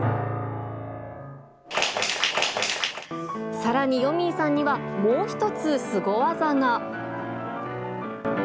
さらに、よみぃさんにはもう一つすご技が。